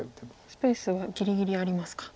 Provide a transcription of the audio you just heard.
スペースはぎりぎりありますか。